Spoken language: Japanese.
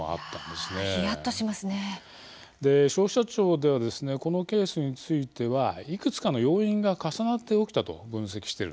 で消費者庁ではこのケースについてはいくつかの要因が重なって起きたと分析してるんですね。